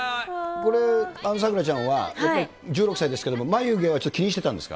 これ、咲楽ちゃんは、やっぱり１６歳ですけれども、眉毛は気にしてたんですか？